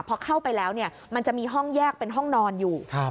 พอเข้าไปแล้วมันจะมีห้องแยกเป็นห้องนอนอยู่